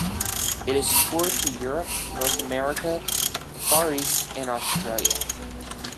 It has toured to Europe, North America, the Far East and Australia.